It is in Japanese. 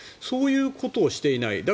そういうことをしていない。